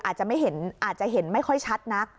อาจจะไม่เห็นอาจจะเห็นไม่ค่อยชัดนัก